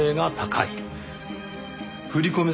振り込め